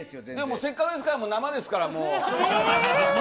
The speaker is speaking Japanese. せっかくですから生ですから。